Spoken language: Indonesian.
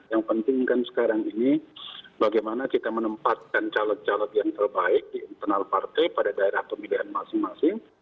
yang penting kan sekarang ini bagaimana kita menempatkan caleg caleg yang terbaik di internal partai pada daerah pemilihan masing masing